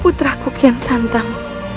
putraku kian santang